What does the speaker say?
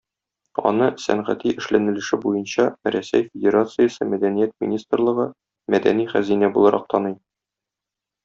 Аны сәнгати эшләнелеше буенча Рәсәй Федерациясе Мәдәният министрлыгы мәдәни хәзинә буларак таный.